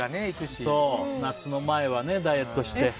夏の前はね、ダイエットして。